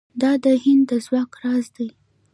دا د هند د ځواک راز دی.